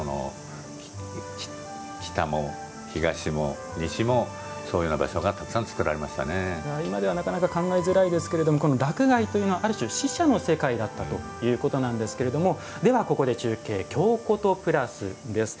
北も東も西もそういうような場所が今ではなかなか考えづらいですけど洛外というのはある種、死者の世界だったということなんですけどもここで中継「京コト＋」です。